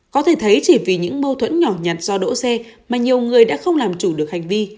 có thể thấy chỉ vì những mâu thuẫn nhỏ nhặt do đỗ xe mà nhiều người đã không làm chủ được hành vi